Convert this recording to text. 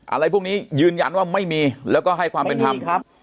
อะไรพวกนี้ยืนยันว่าไม่มีแล้วก็ให้ความเป็นทำไม่มีครับ